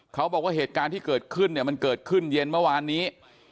เขาบอกว่าเหตุการณ์ที่เกิดขึ้นเนี่ยมันเกิดขึ้นเย็นเมื่อวานนี้